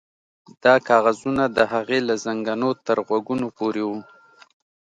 دا کاغذونه د هغې له زنګنو تر غوږونو پورې وو